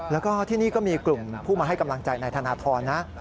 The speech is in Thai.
แล้วก็ที่นี่ก็มีกลุ่มผู้มาให้กำลังใจนายธนทรนะ